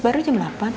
baru jam delapan